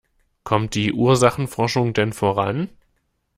Kommt die Ursachenforschung denn voran?